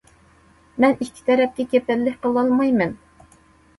مەن ئىككى تەرەپكە كېپىللىك قىلالايمەن.